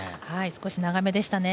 少し長めでしたね。